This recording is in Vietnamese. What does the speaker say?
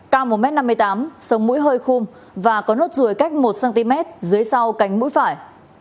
cao một m năm mươi tám sống mũi hơi khung và có nốt ruồi cách một cm dưới sau cánh mũi phải